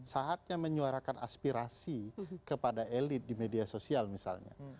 saatnya menyuarakan aspirasi kepada elit di media sosial misalnya